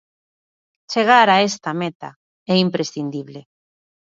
Chegar a esta meta é imprescindible.